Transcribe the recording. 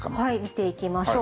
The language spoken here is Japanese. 見ていきましょう。